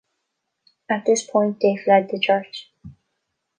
At this point they fled the church.